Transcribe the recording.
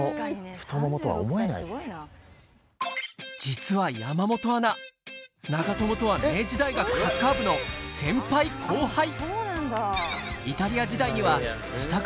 実は山本アナ長友とは明治大学サッカー部の先輩後輩